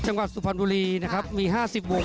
จังหวัดสุพรรณบุรีมีห้าสิบวง